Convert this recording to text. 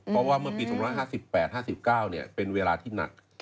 เพราะว่าเมื่อปี๒๕๘๕๙เป็นเวลาที่หนัก